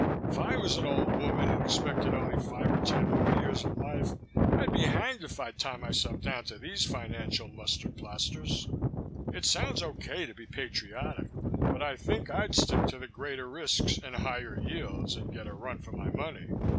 "If I was an old woman and expected only five or ten more years of life, I'd be hanged if I'd tie myself down to these financial mustard plasters. It sounds okay to be patriotic, but I think I'd stick to the greater risks and higher yields and get a run for my money.